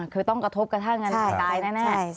คือต้องกระทบกระทั่งกันตายแน่